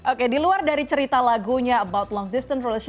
oke di luar dari cerita lagunya tentang hubungan jauh jauh